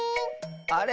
あれ？